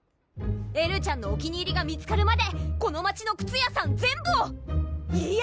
エルちゃんのお気に入りが見つかるまでこの街の靴屋さん全部をいいえ！